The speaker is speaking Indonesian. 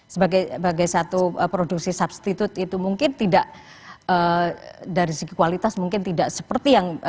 sebagai satu produksi substitute itu mungkin tidak dari segi kualitas mungkin tidak seperti yang